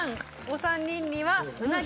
お３人には。